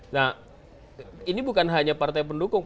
nah ini bukan hanya partai pendukung